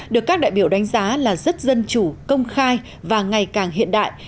được các đại biểu đánh giá là rất dân chủ công khai và ngày càng hiện đại